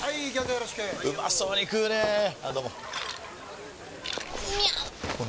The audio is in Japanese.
よろしくうまそうに食うねぇあどうもみゃう！！